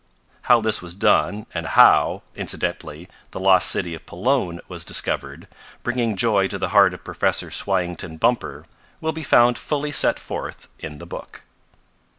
How this was done and how, incidentally, the lost city of Pelone was discovered, bringing joy to the heart of Professor Swyington Bumper, will be found fully set forth in the book.